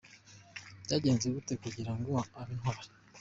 Byagenze gute kugira ngo abe intwari?.